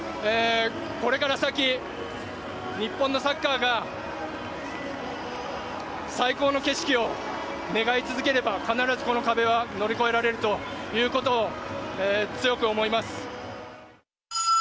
これから先、日本のサッカーが最高の景色を願い続ければ、必ずこの壁は乗り越えられるということを、強く思います。